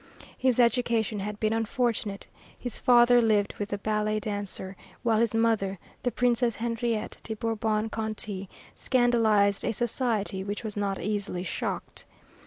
His education had been unfortunate. His father lived with a ballet dancer, while his mother, the Princess Henriette de Bourbon Conti, scandalized a society which was not easily shocked.